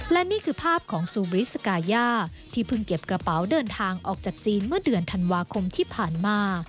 และนี่คือภาพของซูบริสกาย่าที่เพิ่งเก็บกระเป๋าเดินทางออกจากจีนเมื่อเดือนธันวาคมที่ผ่านมา